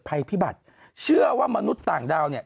ภัยพิบัติเชื่อว่ามนุษย์ต่างดาวเนี่ย